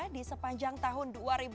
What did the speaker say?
di sepanjang tahun dua ribu dua puluh